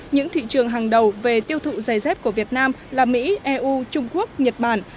những thị trường hàng đầu về tiêu thụ dây dép của việt nam là mỹ eu trung quốc nhật bản